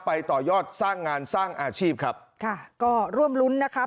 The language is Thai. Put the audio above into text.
ต่อยอดสร้างงานสร้างอาชีพครับค่ะก็ร่วมรุ้นนะครับ